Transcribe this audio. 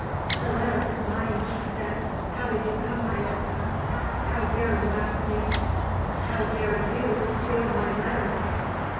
"The letter is mine," she said. "How did you come by it?" "How dare you ask me?" "How dare you steal my letter?"